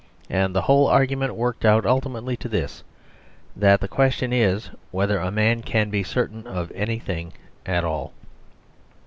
And the whole argument worked out ultimately to this: that the question is whether a man can be certain of anything at all.